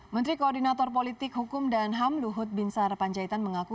menteri koordinator politik hukum dan ham luhut binsar panjaitan mengaku